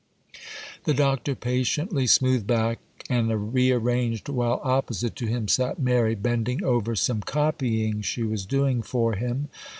] The Doctor patiently smoothed back and rearranged, while opposite to him sat Mary, bending over some copying she was doing for him.